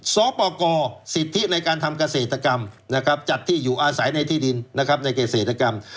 ศปกสิทธิในการทำเกษตรกรรมจัดที่อยู่อาศัยในที่ดินในเกษตรกรรม